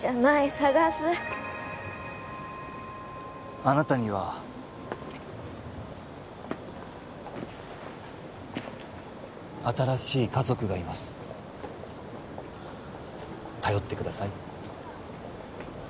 捜すあなたには新しい家族がいます頼ってください